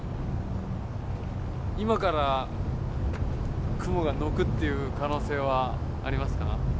今から雲が退くっていう可能性はありますか？